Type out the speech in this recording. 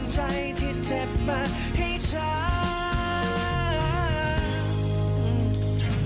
จัดไปเลยคุณผู้ชม